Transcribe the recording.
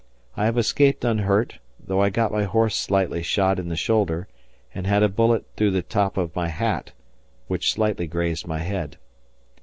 I have escaped unhurt, though I got my horse slightly shot in the shoulder and had a bullet through the top of my hat, which slightly grazed my head.